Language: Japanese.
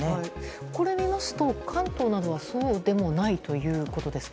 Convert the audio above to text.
これを見ますと関東などはそうでもないということですか？